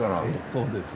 そうです。